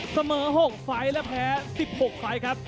เสมอ๖ฟัยและแพ้๑๖ฟัยครับ